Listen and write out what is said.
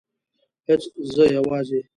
هیڅ زه یوازې